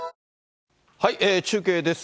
中継です。